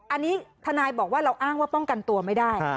อันนี้ทนายบอกว่าเราอ้างว่าป้องกันตัวไม่ได้